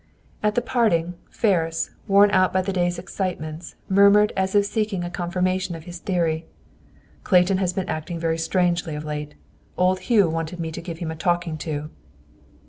At the parting, Ferris, worn out by the day's excitements, murmured, as if seeking a confirmation of his theory, "Clayton has been acting very strangely of late. Old Hugh wanted me to give him a talking to!"